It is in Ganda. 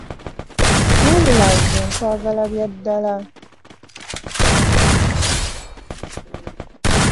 Wabula nze nkwagala bya ddala.